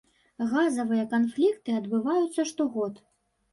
Газавыя канфлікты адбываюцца штогод.